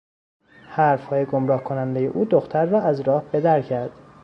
حرفهای گمراه کنندهی او دختر را از راه بدر کرد.